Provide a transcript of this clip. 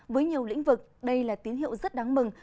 với nhiều lĩnh vực đây là tín hiệu rất đáng mừng